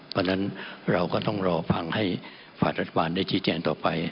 เพราะฉะนั้นเราก็ต้องรอฟังให้ฝาแชทฟันได้จีแจงต่อไป